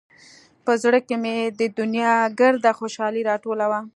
په زړه کښې مې د دونيا ګرده خوشالي راټوله وه.